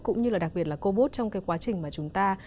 cũng như là đặc biệt là cô bốt trong cái quá trình mà chúng ta